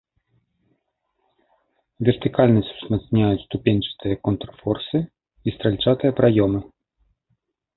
Вертыкальнасць узмацняюць ступеньчатыя контрфорсы і стральчатыя праёмы.